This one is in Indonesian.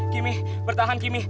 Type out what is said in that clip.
kimi bertahan kimi